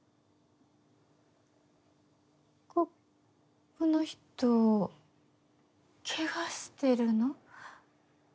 ここの人ケガしてるの？